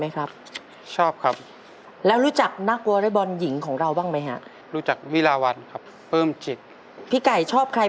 ขอบคุณครับ